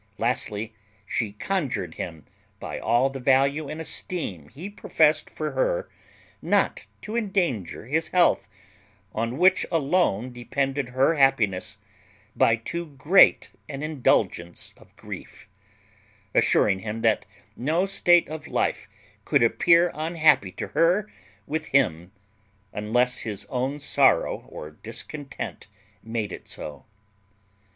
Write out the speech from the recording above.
Lastly, she conjured him, by all the value and esteem he professed for her, not to endanger his health, on which alone depended her happiness, by too great an indulgence of grief; assuring him that no state of life could appear unhappy to her with him, unless his own sorrow or discontent made it so.